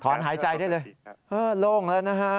หายใจได้เลยโล่งแล้วนะฮะ